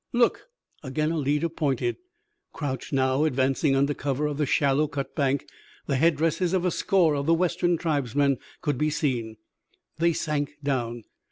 "Look!" Again a leader pointed. Crouched now, advancing under cover of the shallow cut bank, the headdresses of a score of the Western tribesmen could be seen. They sank down.